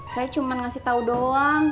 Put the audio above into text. saya cuma ngasih tahu doang